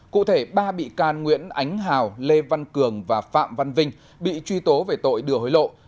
cụ thể ba bị can nguyễn ánh hào lê văn cường và phạm văn vinh bị truy tố về tội đưa hối lộ